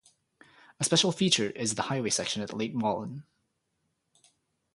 A special feature is the highway section at Lake Walen.